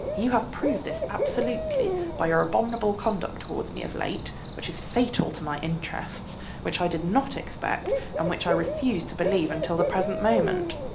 You have proved this absolutely by your abominable conduct towards me of late, which is fatal to my interests, which I did not expect and which I refused to believe till the present moment.